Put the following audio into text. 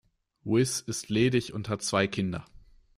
Wyss ist ledig und hat zwei Kinder.